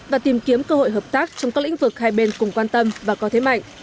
và tìm kiếm cơ hội hợp tác trong các lĩnh vực hai bên cùng quan tâm và có thế mạnh